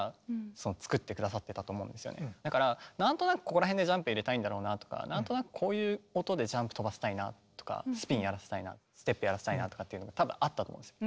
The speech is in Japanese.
だからなんとなくここら辺でジャンプ入れたいんだろうなとかなんとなくこういう音でジャンプ跳ばせたいなとかスピンやらせたいなステップやらせたいなとかっていうのも多分あったと思うんですよ。